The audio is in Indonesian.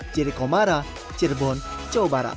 cirekomara cirebon jawa barat